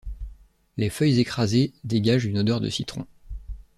Les feuilles écrasées dégagent une odeur de citron.